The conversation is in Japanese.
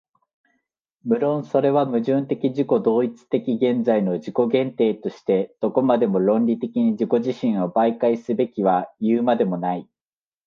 無論それは矛盾的自己同一的現在の自己限定としてどこまでも論理的に自己自身を媒介すべきはいうまでもない。